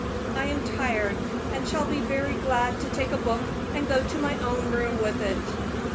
"I am tired, and shall be very glad to take a book and go to my own room with it."